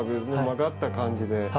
曲がった感じで。